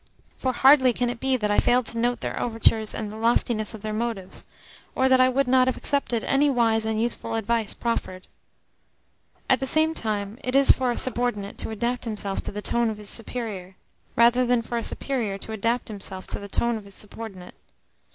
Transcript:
For hardly can it be that I failed to note their overtures and the loftiness of their motives, or that I would not have accepted any wise and useful advice proffered. At the same time, it is for a subordinate to adapt himself to the tone of his superior, rather than for a superior to adapt himself to the tone of his subordinate.